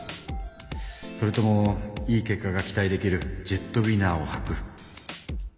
それともいい結果が期待できるジェットウィナーをはく。